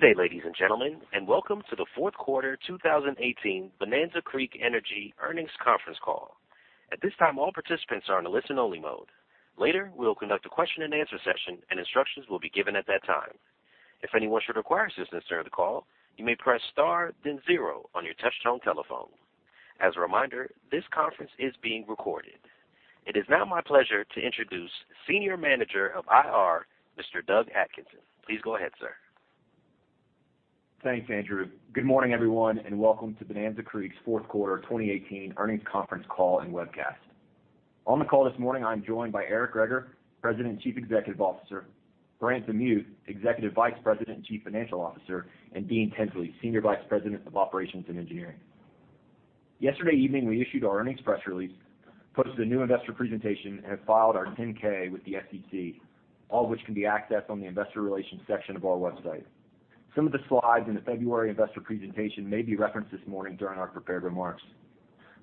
Good day, ladies and gentlemen, welcome to the fourth quarter 2018 Bonanza Creek Energy earnings conference call. At this time, all participants are in a listen-only mode. Later, we will conduct a question-and-answer session, and instructions will be given at that time. If anyone should require assistance during the call, you may press star 0 on your touchtone telephone. As a reminder, this conference is being recorded. It is now my pleasure to introduce Senior Manager of IR, Mr. Doug Atkinson. Please go ahead, sir. Thanks, Andrew. Good morning, everyone, and welcome to Bonanza Creek's fourth quarter 2018 earnings conference call and webcast. On the call this morning, I'm joined by Eric Greager, President and Chief Executive Officer, Brant DeMuth, Executive Vice President and Chief Financial Officer, and Dean Tinsley, Senior Vice President of Operations and Engineering. Yesterday evening, we issued our earnings press release, posted a new investor presentation, and have filed our 10-K with the SEC, all of which can be accessed on the investor relations section of our website. Some of the slides in the February investor presentation may be referenced this morning during our prepared remarks.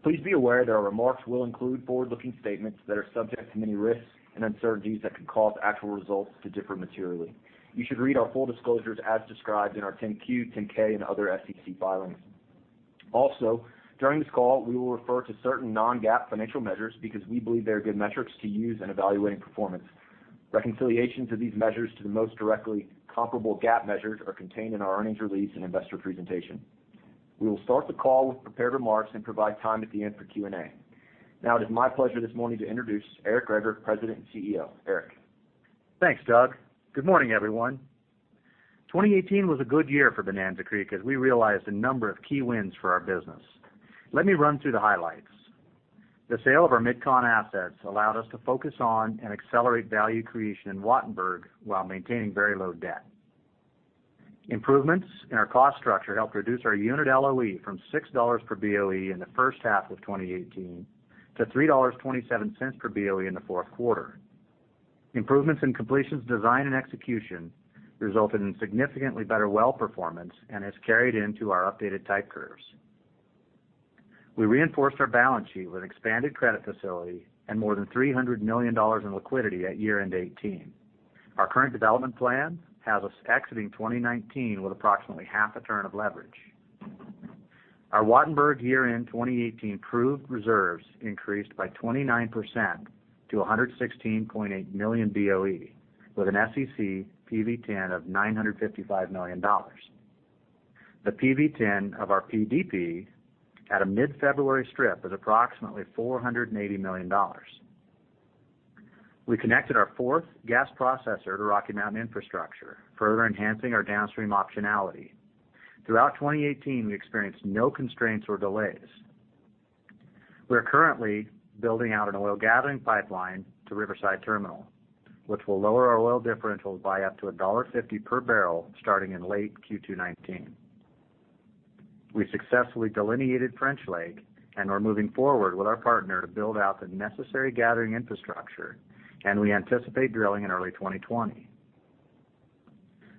Please be aware that our remarks will include forward-looking statements that are subject to many risks and uncertainties that could cause actual results to differ materially. You should read our full disclosures as described in our 10-Q, 10-K, and other SEC filings. During this call, we will refer to certain non-GAAP financial measures because we believe they are good metrics to use in evaluating performance. Reconciliations of these measures to the most directly comparable GAAP measures are contained in our earnings release and investor presentation. We will start the call with prepared remarks and provide time at the end for Q&A. It is my pleasure this morning to introduce Eric Greager, President and CEO. Eric? Thanks, Doug. Good morning, everyone. 2018 was a good year for Bonanza Creek as we realized a number of key wins for our business. Let me run through the highlights. The sale of our MidCon assets allowed us to focus on and accelerate value creation in Wattenberg while maintaining very low debt. Improvements in our cost structure helped reduce our unit LOE from $6 per BOE in the first half of 2018 to $3.27 per BOE in the fourth quarter. Improvements in completions design and execution resulted in significantly better well performance and has carried into our updated type curves. We reinforced our balance sheet with expanded credit facility and more than $300 million in liquidity at year-end 2018. Our current development plan has us exiting 2019 with approximately half a turn of leverage. Our Wattenberg year-end 2018 proved reserves increased by 29% to 116.8 million BOE, with an SEC PV-10 of $955 million. The PV-10 of our PDP at a mid-February strip is approximately $480 million. We connected our fourth gas processor to Rocky Mountain Infrastructure, further enhancing our downstream optionality. Throughout 2018, we experienced no constraints or delays. We are currently building out an oil gathering pipeline to Riverside Terminal, which will lower our oil differentials by up to $1.50 per barrel starting in late Q2 2019. We successfully delineated French Lake and are moving forward with our partner to build out the necessary gathering infrastructure, and we anticipate drilling in early 2020.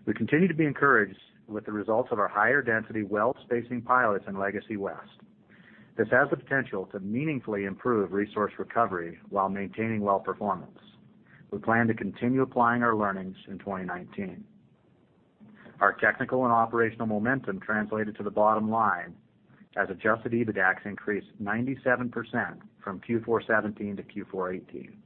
We continue to be encouraged with the results of our higher density well spacing pilots in Legacy West. This has the potential to meaningfully improve resource recovery while maintaining well performance. We plan to continue applying our learnings in 2019. Our technical and operational momentum translated to the bottom line as adjusted EBITDAX increased 97% from Q4 2017 to Q4 2018.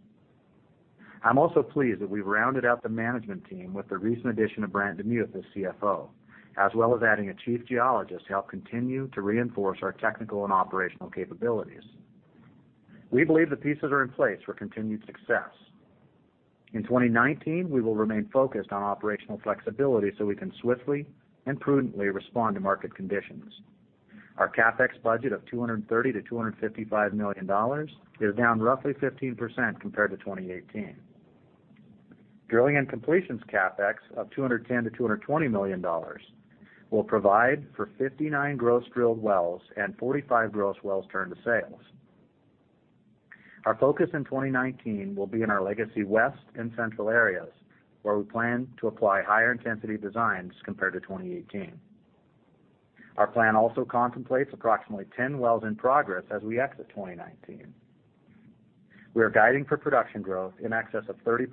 I am also pleased that we have rounded out the management team with the recent addition of Brant DeMuth as CFO, as well as adding a chief geologist to help continue to reinforce our technical and operational capabilities. We believe the pieces are in place for continued success. In 2019, we will remain focused on operational flexibility so we can swiftly and prudently respond to market conditions. Our CapEx budget of $230 million to $255 million is down roughly 15% compared to 2018. Drilling and completions CapEx of $210 million to $220 million will provide for 59 gross drilled wells and 45 gross wells turned to sales. Our focus in 2019 will be on our Legacy West and Central areas, where we plan to apply higher-intensity designs compared to 2018. Our plan also contemplates approximately 10 wells in progress as we exit 2019. We are guiding for production growth in excess of 30%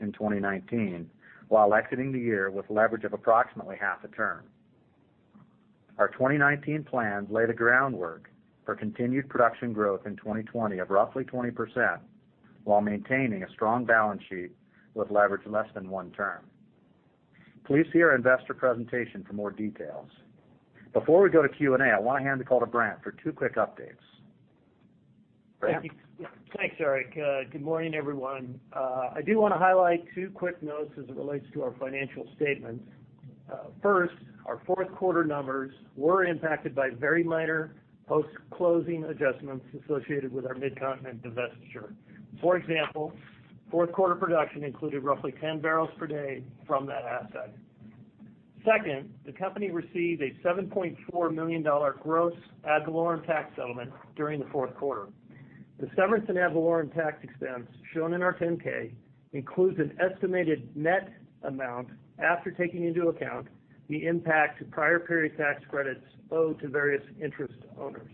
in 2019 while exiting the year with leverage of approximately half a turn. Our 2019 plans lay the groundwork for continued production growth in 2020 of roughly 20% while maintaining a strong balance sheet with leverage less than one turn. Please see our investor presentation for more details. Before we go to Q&A, I want to hand the call to Brant for two quick updates. Brant? Thank you. Thanks, Eric. Good morning, everyone. I do want to highlight two quick notes as it relates to our financial statements. First, our fourth quarter numbers were impacted by very minor post-closing adjustments associated with our Mid-Continent divestiture. For example, fourth quarter production included roughly 10 barrels per day from that asset. Second, the company received a $7.4 million gross ad valorem tax settlement during the fourth quarter. The severance and ad valorem tax expense shown in our 10-K includes an estimated net amount after taking into account the impact of prior period tax credits owed to various interest owners.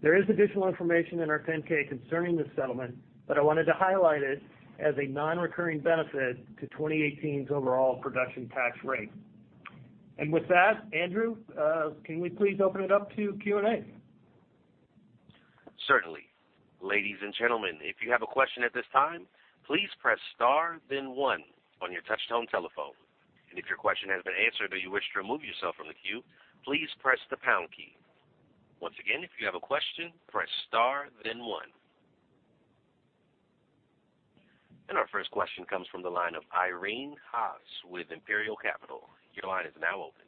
There is additional information in our 10-K concerning this settlement, but I wanted to highlight it as a non-recurring benefit to 2018's overall production tax rate. With that, Andrew, can we please open it up to Q&A? Certainly. Ladies and gentlemen, if you have a question at this time, please press star then one on your touch-tone telephone. If your question has been answered or you wish to remove yourself from the queue, please press the pound key. Once again, if you have a question, press star then one. Our first question comes from the line of Irene Haas with Imperial Capital. Your line is now open.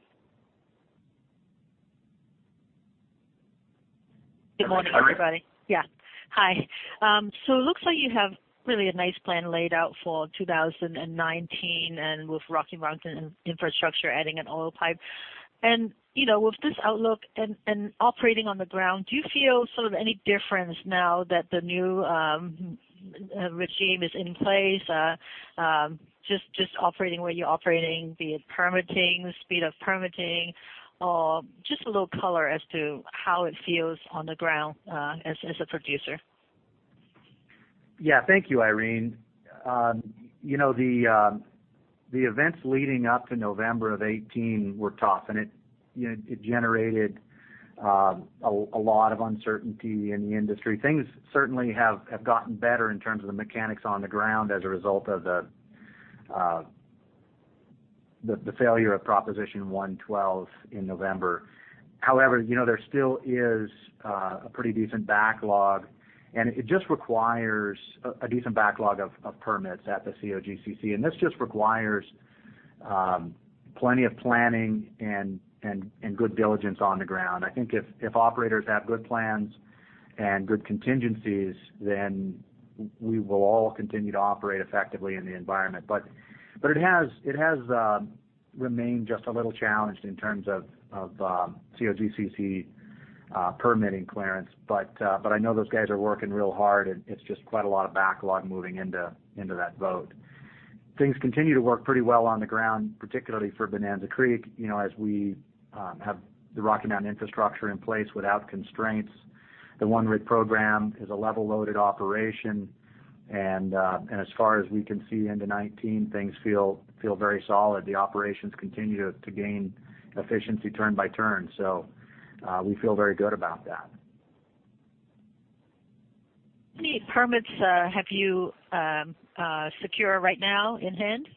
Good morning, everybody. Hi, Irene. Yeah. Hi. It looks like you have really a nice plan laid out for 2019, with Rocky Mountain Infrastructure adding an oil pipe. With this outlook and operating on the ground, do you feel sort of any difference now that the new regime is in place, just operating where you're operating, be it permitting, speed of permitting, or just a little color as to how it feels on the ground, as a producer? Yeah. Thank you, Irene. The events leading up to November of 2018 were tough, and it generated a lot of uncertainty in the industry. Things certainly have gotten better in terms of the mechanics on the ground as a result of the failure of Proposition 112 in November. However, there still is a pretty decent backlog, a decent backlog of permits at the COGCC. This just requires plenty of planning and good diligence on the ground. I think if operators have good plans and good contingencies, we will all continue to operate effectively in the environment. It has remained just a little challenged in terms of COGCC permitting clearance. I know those guys are working real hard. It's just quite a lot of backlog moving into that vote. Things continue to work pretty well on the ground, particularly for Bonanza Creek, as we have the Rocky Mountain Infrastructure in place without constraints. The one-rig program is a level-loaded operation. As far as we can see into 2019, things feel very solid. The operations continue to gain efficiency turn by turn. We feel very good about that. How many permits have you secure right now in hand?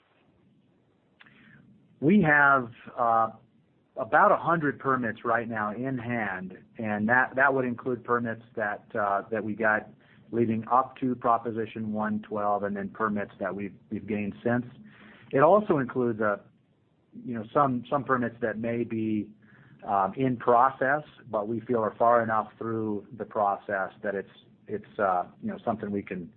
We have about 100 permits right now in hand, that would include permits that we got leading up to Proposition 112 and then permits that we've gained since. It also includes some permits that may be in process, but we feel are far enough through the process that it's something we can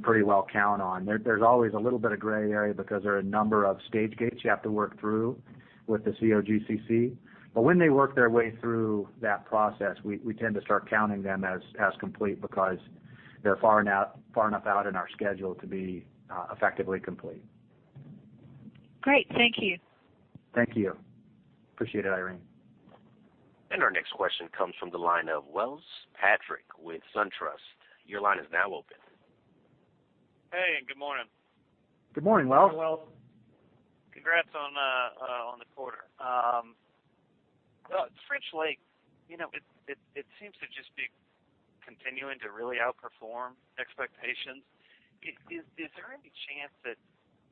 pretty well count on. There's always a little bit of gray area because there are a number of stage gates you have to work through with the COGCC. When they work their way through that process, we tend to start counting them as complete because they're far enough out in our schedule to be effectively complete. Great. Thank you. Thank you. Appreciate it, Irene. Our next question comes from the line of Welles Fitzpatrick with SunTrust. Your line is now open. Hey, good morning. Good morning, Welles. Wells. Congrats on the quarter. French Lake, it seems to just be continuing to really outperform expectations. Is there any chance that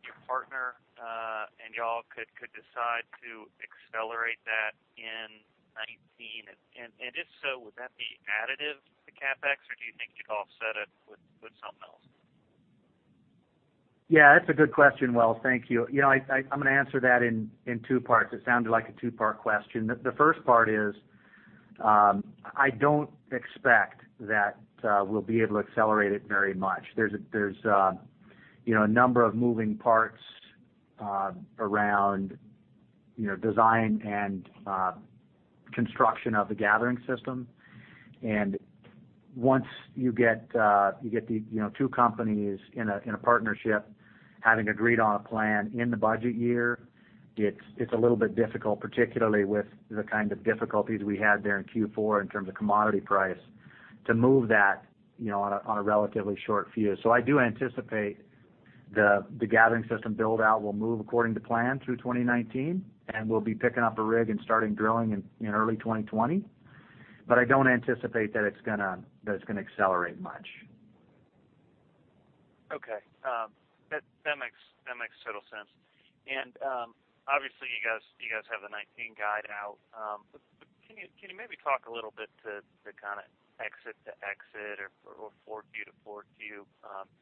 your partner and you all could decide to accelerate that in 2019? If so, would that be additive to CapEx, or do you think you'd offset it with something else? Yeah, that's a good question, Welles. Thank you. I'm going to answer that in two parts. It sounded like a two-part question. The first part is, I don't expect that we'll be able to accelerate it very much. There's a number of moving parts around design and construction of the gathering system. Once you get two companies in a partnership having agreed on a plan in the budget year, it's a little bit difficult, particularly with the kind of difficulties we had there in Q4 in terms of commodity price, to move that on a relatively short fuse. I do anticipate the gathering system build-out will move according to plan through 2019, and we'll be picking up a rig and starting drilling in early 2020. I don't anticipate that it's going to accelerate much. Okay. That makes total sense. Obviously, you guys have the 2019 guide out. Can you maybe talk a little bit to kind of exit-to-exit or 4Q-to-4Q,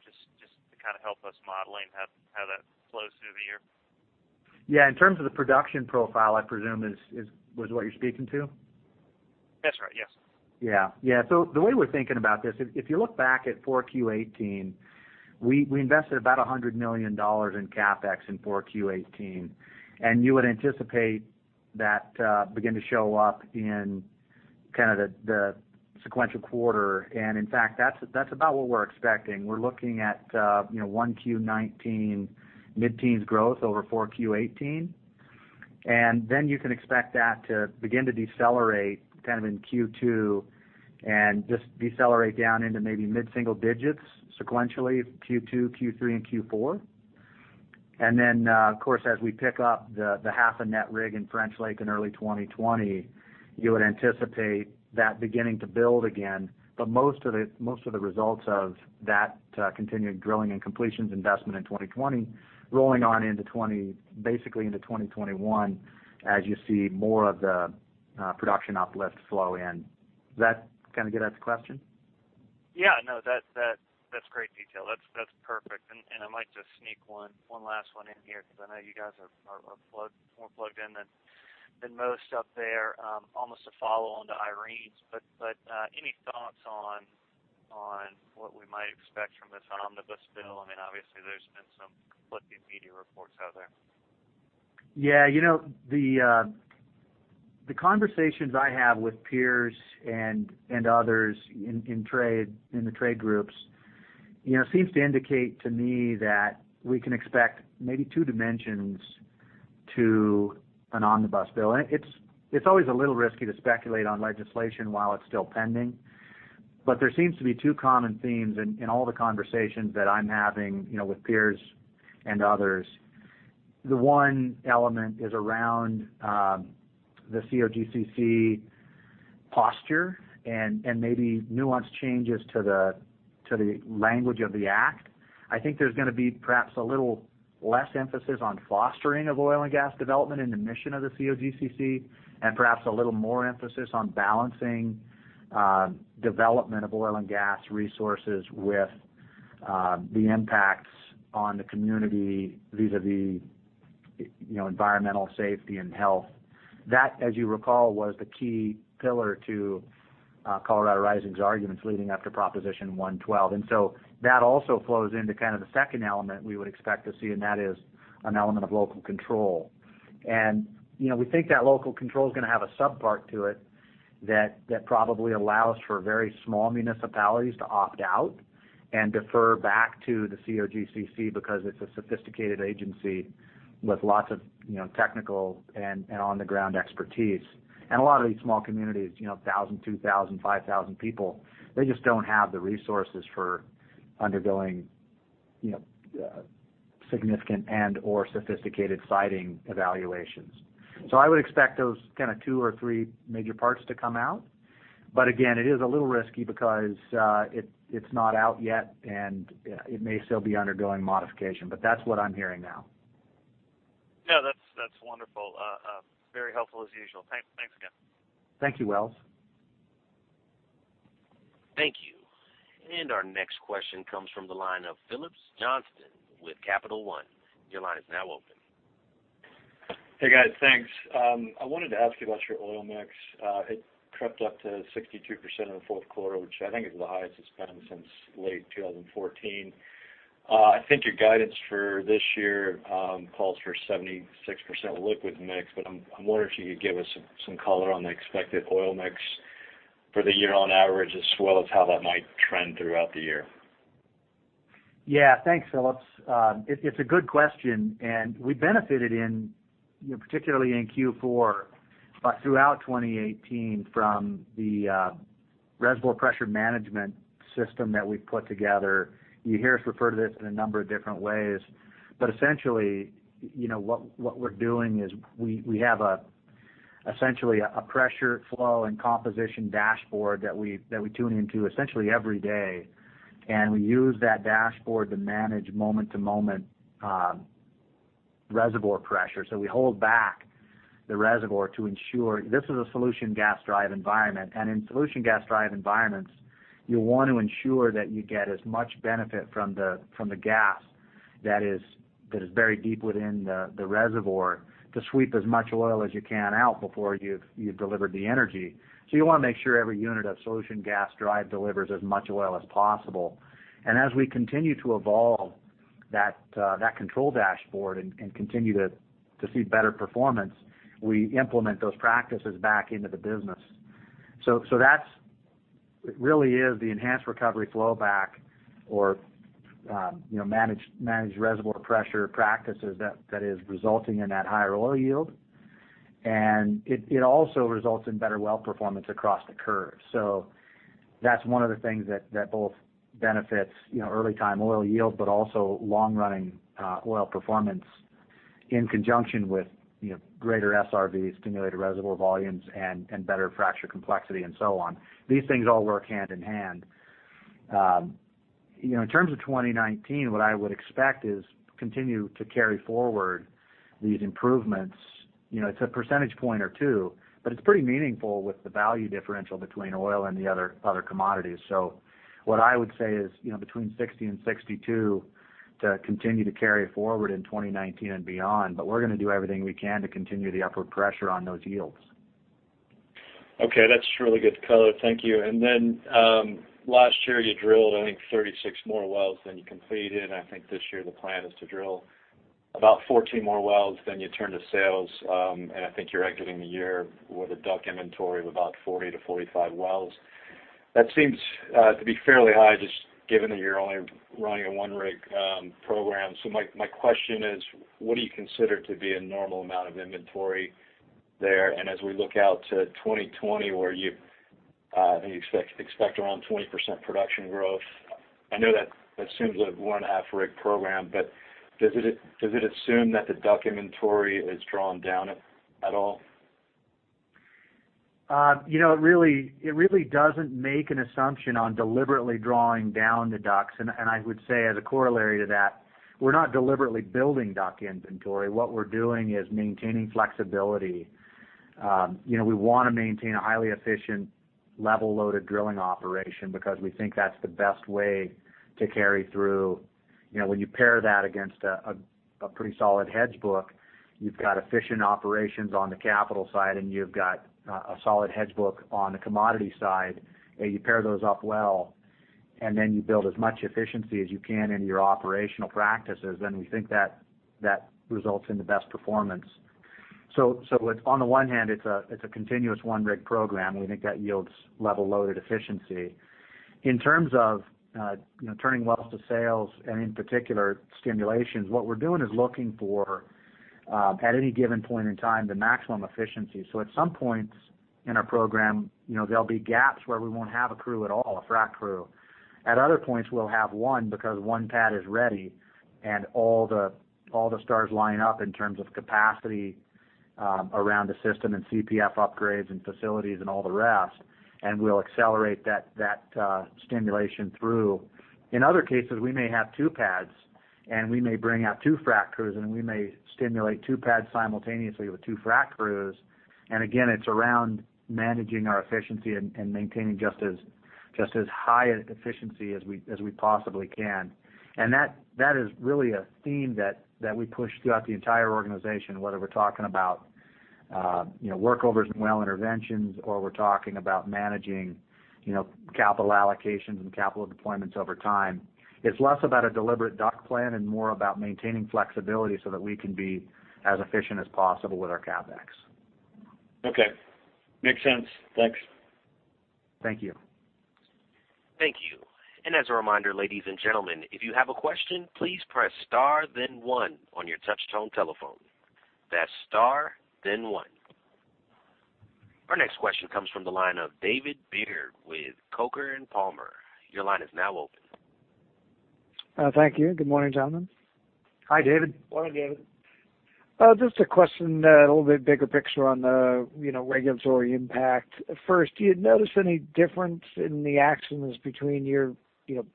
just to kind of help us modeling how that flows through the year? Yeah. In terms of the production profile, I presume is what you're speaking to? That's right. Yes. Yeah. The way we're thinking about this, if you look back at 4Q 2018, we invested about $100 million in CapEx in 4Q 2018. You would anticipate that begin to show up in kind of the sequential quarter. In fact, that's about what we're expecting. We're looking at 1Q 2019 mid-teens growth over 4Q 2018. Then you can expect that to begin to decelerate in Q2 and just decelerate down into maybe mid-single digits sequentially, Q2, Q3, and Q4. Of course, as we pick up the half a net rig in French Lake in early 2020, you would anticipate that beginning to build again. Most of the results of that continued drilling and completions investment in 2020, rolling on basically into 2021, as you see more of the production uplift flow in. Does that kind of get at the question? No, that's great detail. That's perfect. I might just sneak one last one in here, because I know you guys are more plugged in than most up there. Almost a follow-on to Irene's, but any thoughts on what we might expect from this omnibus bill? I mean, obviously there's been some conflicting media reports out there. Yeah. The conversations I have with peers and others in the trade groups, seems to indicate to me that we can expect maybe two dimensions to an omnibus bill. It's always a little risky to speculate on legislation while it's still pending. There seems to be two common themes in all the conversations that I'm having with peers and others. The one element is around the COGCC posture and maybe nuanced changes to the language of the act. I think there's going to be perhaps a little less emphasis on fostering of oil and gas development in the mission of the COGCC, and perhaps a little more emphasis on balancing development of oil and gas resources with the impacts on the community vis-a-vis environmental safety and health. That, as you recall, was the key pillar to Colorado Rising's arguments leading up to Proposition 112. That also flows into the second element we would expect to see, and that is an element of local control. We think that local control is going to have a subpart to it that probably allows for very small municipalities to opt out and defer back to the COGCC because it's a sophisticated agency with lots of technical and on-the-ground expertise. A lot of these small communities, 1,000, 2,000, 5,000 people, they just don't have the resources for undergoing significant and/or sophisticated siting evaluations. I would expect those two or three major parts to come out. Again, it is a little risky because it's not out yet, and it may still be undergoing modification. That's what I'm hearing now. No, that's wonderful. Very helpful as usual. Thanks again. Thank you, Welles. Thank you. Our next question comes from the line of Phillips Johnston with Capital One. Your line is now open. Hey, guys. Thanks. I wanted to ask you about your oil mix. It crept up to 62% in the fourth quarter, which I think is the highest it's been since late 2014. I think your guidance for this year calls for 76% liquid mix, but I'm wondering if you could give us some color on the expected oil mix for the year on average, as well as how that might trend throughout the year. Yeah. Thanks, Phillips. It's a good question, and we benefited particularly in Q4, but throughout 2018 from the reservoir pressure management system that we've put together. You hear us refer to this in a number of different ways. Essentially, what we're doing is we have essentially a pressure flow and composition dashboard that we tune into essentially every day, and we use that dashboard to manage moment-to-moment reservoir pressure. We hold back the reservoir to ensure This is a solution gas drive environment. In solution gas drive environments, you want to ensure that you get as much benefit from the gas that is very deep within the reservoir to sweep as much oil as you can out before you've delivered the energy. You want to make sure every unit of solution gas drive delivers as much oil as possible. As we continue to evolve that control dashboard and continue to see better performance, we implement those practices back into the business. It really is the enhanced recovery flow back or managed reservoir pressure practices that is resulting in that higher oil yield. It also results in better well performance across the curve. That's one of the things that both benefits early time oil yield, but also long-running oil performance in conjunction with greater SRV, stimulated reservoir volumes, and better fracture complexity, and so on. These things all work hand in hand. In terms of 2019, what I would expect is continue to carry forward these improvements. It's a percentage point or two, but it's pretty meaningful with the value differential between oil and the other commodities. What I would say is between 60% and 62% to continue to carry forward in 2019 and beyond. We're going to do everything we can to continue the upward pressure on those yields. Okay. That's really good color. Thank you. Then, last year you drilled, I think, 36 more wells than you completed. I think this year the plan is to drill about 14 more wells than you turn to sales. I think you're exiting the year with a DUC inventory of about 40 to 45 wells. That seems to be fairly high, just given that you're only running a one-rig program. My question is, what do you consider to be a normal amount of inventory there? As we look out to 2020, where you expect around 20% production growth, I know that assumes a one half-rig program, but does it assume that the DUC inventory is drawn down at all? It really doesn't make an assumption on deliberately drawing down the DUCs. I would say as a corollary to that, we're not deliberately building DUC inventory. What we're doing is maintaining flexibility. We want to maintain a highly efficient level loaded drilling operation because we think that's the best way to carry through. When you pair that against a pretty solid hedge book, you've got efficient operations on the capital side, and you've got a solid hedge book on the commodity side, and you pair those up well, and then you build as much efficiency as you can in your operational practices, then we think that results in the best performance. On the one hand, it's a continuous one-rig program, we think that yields level loaded efficiency. In terms of turning wells to sales and in particular stimulations, what we're doing is looking for, at any given point in time, the maximum efficiency. At some points in our program, there will be gaps where we won't have a crew at all, a frac crew. At other points, we will have one because one pad is ready and all the stars line up in terms of capacity around the system and CPF upgrades and facilities and all the rest, and we will accelerate that stimulation through. In other cases, we may have two pads and we may bring out two frac crews, and we may stimulate two pads simultaneously with two frac crews. Again, it's around managing our efficiency and maintaining just as high efficiency as we possibly can. That is really a theme that we push throughout the entire organization, whether we're talking about workovers and well interventions, or we're talking about managing capital allocations and capital deployments over time. It's less about a deliberate DUC plan and more about maintaining flexibility so that we can be as efficient as possible with our CapEx. Okay. Makes sense. Thanks. Thank you. Thank you. As a reminder, ladies and gentlemen, if you have a question, please press star then one on your touchtone telephone. That's star then one. Our next question comes from the line of David Beard with Coker & Palmer. Your line is now open. Thank you. Good morning, gentlemen. Hi, David. Morning, David. Just a question, a little bit bigger picture on the regulatory impact. First, do you notice any difference in the actions between your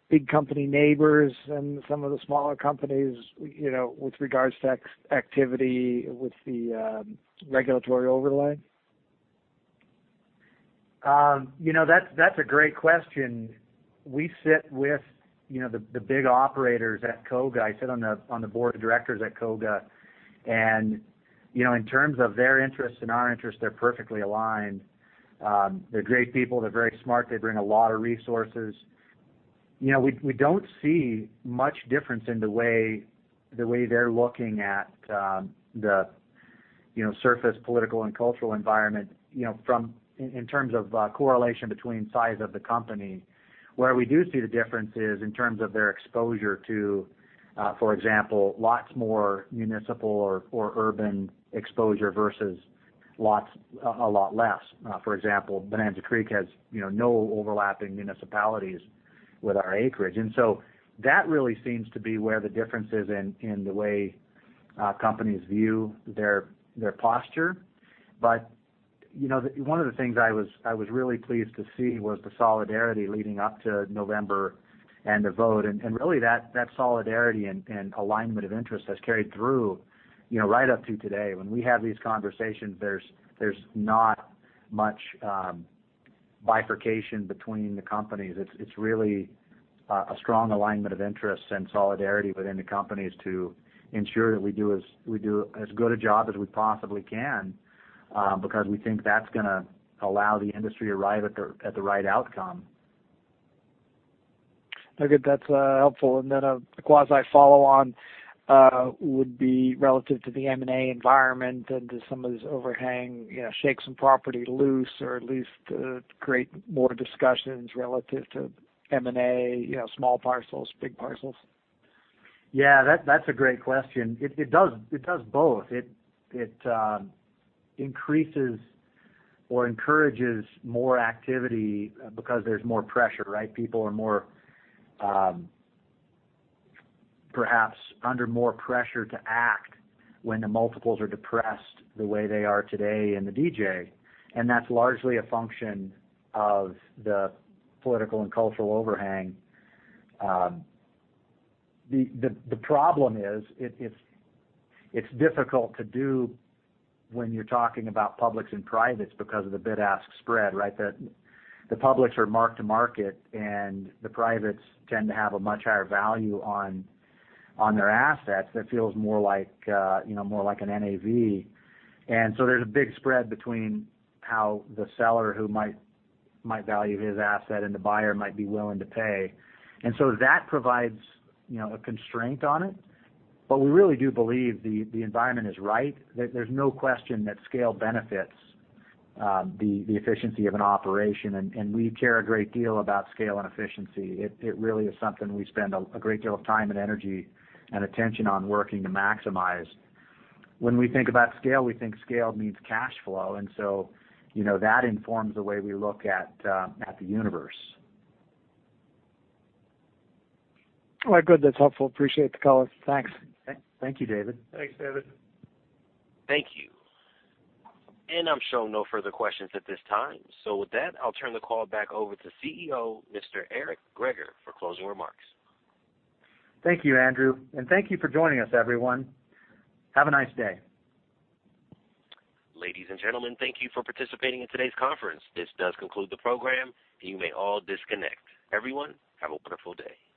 big company neighbors and some of the smaller companies, with regards to activity with the regulatory overlay? That's a great question. We sit with the big operators at COGA. I sit on the board of directors at COGA. In terms of their interests and our interests, they're perfectly aligned. They're great people. They're very smart. They bring a lot of resources. We don't see much difference in the way they're looking at the surface political and cultural environment, in terms of correlation between size of the company. Where we do see the difference is in terms of their exposure to, for example, lots more municipal or urban exposure versus a lot less. For example, Bonanza Creek has no overlapping municipalities with our acreage. So that really seems to be where the difference is in the way companies view their posture. One of the things I was really pleased to see was the solidarity leading up to November and the vote. Really that solidarity and alignment of interest has carried through right up to today. When we have these conversations, there's not much bifurcation between the companies. It's really a strong alignment of interests and solidarity within the companies to ensure that we do as good a job as we possibly can, because we think that's going to allow the industry arrive at the right outcome. Okay. That's helpful. Then a quasi follow on would be relative to the M&A environment and does some of this overhang shake some property loose or at least create more discussions relative to M&A, small parcels, big parcels? Yeah, that's a great question. It does both. It increases or encourages more activity because there's more pressure, right? People are perhaps under more pressure to act when the multiples are depressed the way they are today in the DJ. That's largely a function of the political and cultural overhang. The problem is, it's difficult to do when you're talking about public's and private's because of the bid-ask spread, right? The public's are mark-to-market, the private's tend to have a much higher value on their assets that feels more like an NAV. There's a big spread between how the seller who might value his asset and the buyer might be willing to pay. That provides a constraint on it. We really do believe the environment is right. There's no question that scale benefits the efficiency of an operation, we care a great deal about scale and efficiency. It really is something we spend a great deal of time and energy and attention on working to maximize. When we think about scale, we think scale means cash flow, that informs the way we look at the universe. All right, good. That's helpful. Appreciate the color. Thanks. Thank you, David. Thanks, David. Thank you. I'm showing no further questions at this time. With that, I'll turn the call back over to CEO, Mr. Eric Greager, for closing remarks. Thank you, Andrew, and thank you for joining us, everyone. Have a nice day. Ladies and gentlemen, thank you for participating in today's conference. This does conclude the program, and you may all disconnect. Everyone, have a wonderful day.